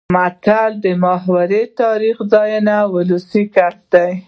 متلونه ،محاورې تاريخي ځايونه ،ولسي کسې.